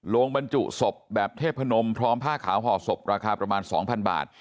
บรรจุศพแบบเทพนมพร้อมผ้าขาวห่อศพราคาประมาณ๒๐๐บาท